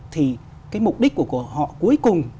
thì cái mục đích của họ cuối cùng